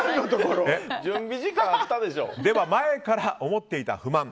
では、前から思っていた不満。